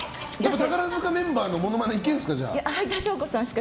宝塚メンバーのものまねいけるんですか？